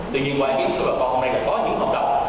tuy nhiên quản lý của bà con hôm nay là có những hợp đồng